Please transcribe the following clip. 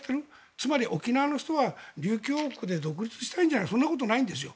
つまり沖縄の人は琉球王国で独立したいんじゃそんなことないんですよ